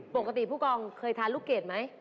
ผู้กองเคยทานลูกเกดไหม